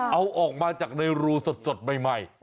เอาออกมาจากในรูสดใหม่